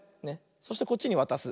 そしてこっちにわたす。